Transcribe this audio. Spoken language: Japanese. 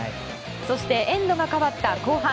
エンドが変わった後半。